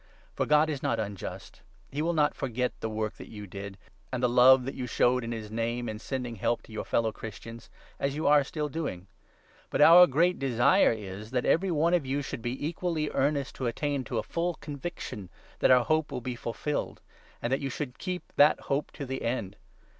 For God is not unjust ; he will not forget the 10 work that you did, and the love that you showed for his Name, in sending help to your fellow Christians — as youare still doing. But our great desire is that every one of you should be equally 1 1 earnest to attain to a full conviction that our hope will be fulfilled, and that you should keep that hope to the end.